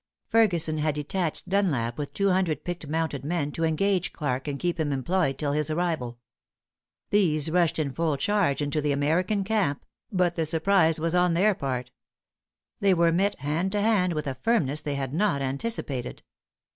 Ferguson had detached Dunlap with two hundred picked mounted men, to engage Clarke and keep him employed till his arrival. These rushed in full charge into the American camp; but the surprise was on their part. They were met hand to hand, with a firmness they had not anticipated.